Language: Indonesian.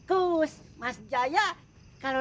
lihatlah dia sudah bergerak ke sana